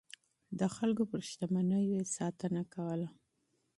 د خلکو پر شتمنيو يې ساتنه کوله.